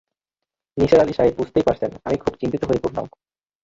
নিসার আলি সাহেব, বুঝতেই পারছেন, আমি খুব চিন্তিত হয়ে পড়লাম।